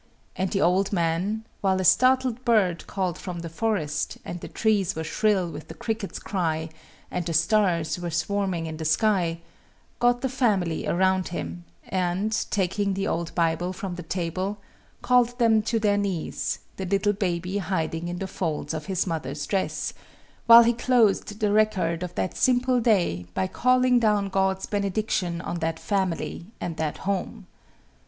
And the old man while a startled bird called from the forest, and the trees were shrill with the cricket's cry, and the stars were swarming in the sky got the family around him, and, taking the old Bible from the table, called them to their knees, the little baby hiding in the folds of its mother's dress, while he closed the record of that simple day by calling down God's benediction on that family and that home.